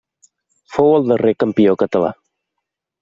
Fou el darrer campió català.